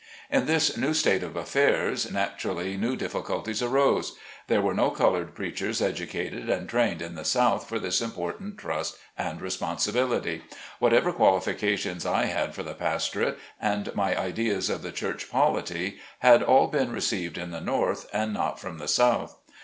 In this new state of affairs naturally new difficul ties arose. There were no colored preachers educa ted and trained in the South for this important trust and responsibility. Whatever qualifications I had for the pastorate, and my ideas of the church polity, had all been received in the North and not from the South.